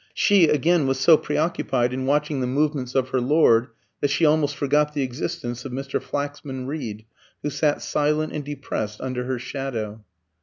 She, again, was so preoccupied in watching the movements of her lord, that she almost forgot the existence of Mr. Flaxman Reed, who sat silent and depressed under her shadow.